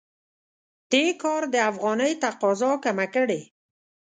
دې کار د افغانۍ تقاضا کمه کړې.